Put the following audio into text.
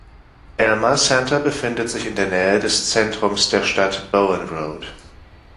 Elma Center befindet sich in der Nähe des Zentrums der Stadt Bowen Road.